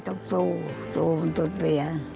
ต้องสู้สู้บนสุดเวียง